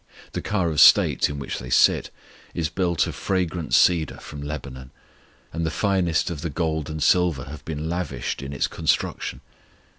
The car of state in which they sit is built of fragrant cedar from Lebanon, and the finest of the gold and silver have been lavished in its construction.